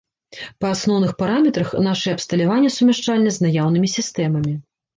Па асноўных параметрах нашае абсталяванне сумяшчальнае з наяўнымі сістэмамі.